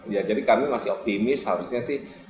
ya jadi kami masih optimis harusnya sih